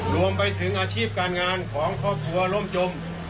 รวมไปถึงอาชีพการงานของครอบครัวร่มจม